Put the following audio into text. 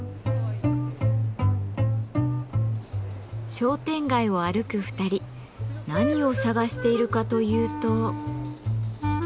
商店街を歩く２人何を探しているかというと。